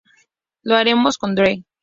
Lo haremos con Dre".